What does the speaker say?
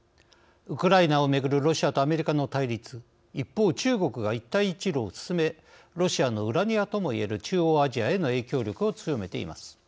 ウクライナをめぐるロシアとアメリカの対立一方、中国が一帯一路を進めロシアの裏庭とも言える中央アジアへの影響力を強めています。